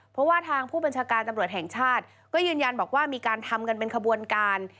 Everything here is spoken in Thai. เพราะว่าทางผู้บัญชาการตำรวจแห่งชาติก็ยืนยันบอกว่ามีการทำกันเป็นขบวนการ